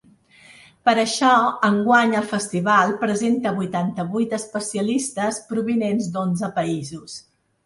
Per això enguany el festival presenta vuitanta-vuit especialistes provinents d’onze països.